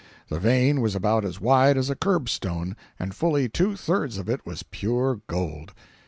The vein was about as wide as a curbstone, and fully two thirds of it was pure gold.